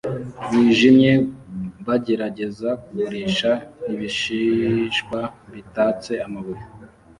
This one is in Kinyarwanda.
wijimye bagerageza kugurisha ibishishwa bitatse amabuye